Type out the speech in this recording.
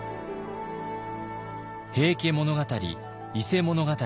「平家物語」「伊勢物語」